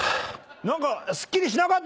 何かすっきりしなかったですよね